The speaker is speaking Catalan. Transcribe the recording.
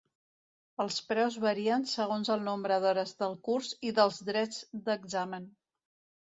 Els preus varien segons el nombre d'hores del curs i dels drets d'examen.